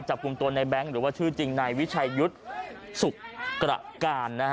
จับกลุ่มตัวในแบงค์หรือว่าชื่อจริงนายวิชัยยุทธ์สุขกระการนะฮะ